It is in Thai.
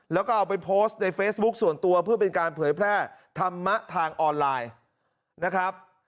แล้วก็เอาไปโพสต์ในเฟซบุ๊คส่วนตัวเพื่อเป็นการเผยแพร่ธรรมะทางออนไลน์นะครับ